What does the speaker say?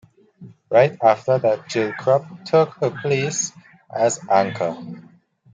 Right after that Jill Krop took her place as anchor.